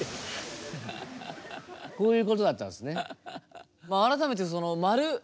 こういうことだったんですね。